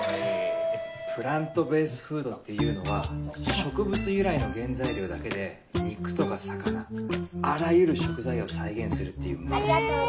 プラントベースフードっていうのは植物由来の原材料だけで肉とか魚あらゆる食材を再現するっていう。